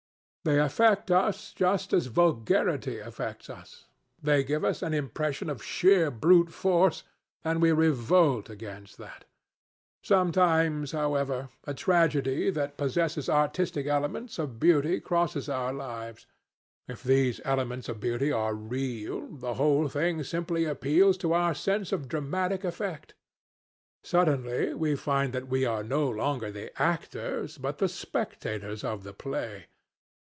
They affect us just as vulgarity affects us. They give us an impression of sheer brute force, and we revolt against that. Sometimes, however, a tragedy that possesses artistic elements of beauty crosses our lives. If these elements of beauty are real, the whole thing simply appeals to our sense of dramatic effect. Suddenly we find that we are no longer the actors, but the spectators of the play.